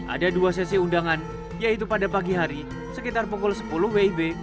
ada dua sesi undangan yaitu pada pagi hari sekitar pukul sepuluh wib